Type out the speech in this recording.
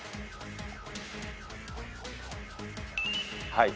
はい。